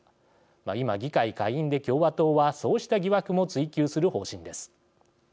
今、議会下院で共和党はそうした疑惑も追及する方針です。